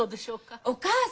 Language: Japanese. お母様。